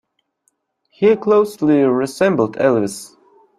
He closely resembled Elvis.